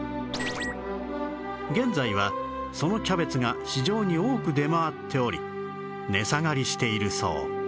現在はそのキャベツが市場に多く出回っており値下がりしているそう